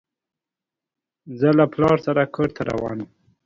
زه له پلار سره کور ته روان يم.